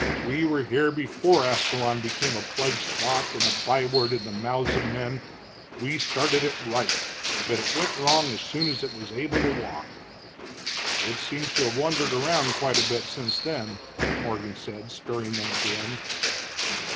We were here before Ascalon became a plague spot and a by word in the mouths of men; we started it right, but it went wrong as soon as it was able to walk." "It seems to have wandered around quite a bit since then," Morgan said, sparing them a grin.